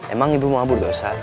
emang ibu mau abur dosa